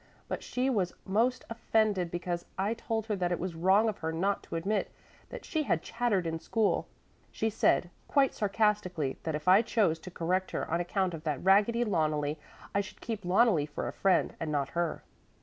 But she was most offended because I told her that it was wrong of her; not to admit that she had chattered in school. She said quite sarcastically that if I chose to correct her on account of that raggedy Loneli, I should keep Loneli for a friend and not her."